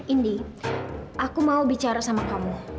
indie aku mau bicara sama kamu